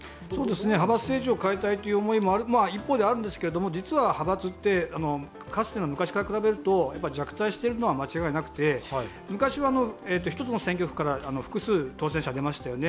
派閥政治を変えたいという思いも一方であるんですけど、実は派閥って、かつての昔から比べると弱体しているのは間違いなくて昔は１つの選挙区から複数当選者が出ましたよね。